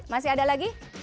masih ada lagi